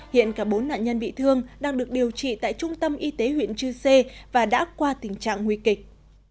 hiện cả bốn nạn nhân bị thương đang được điều trị tại trung tâm y tế huyện chư sê và đã qua tình trạng nguy kịch